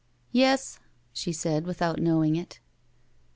"Yes," she said, without knowing it.